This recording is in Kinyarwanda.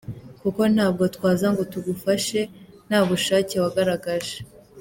Kuko ntabwo twaza ngo tugufashe nta bushake wagaragaje.